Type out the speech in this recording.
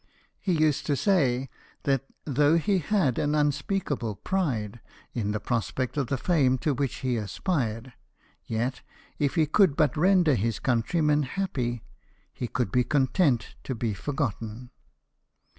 He used to say that though he had an unspeakable pride in the prospect of the fame to which he aspired, yet, if he could but render his countrymen happy, he could be content to be for gotten.